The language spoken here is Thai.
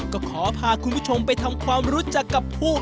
ก็ขอพาคุณผู้ชมไปทำความรู้จักกับผู้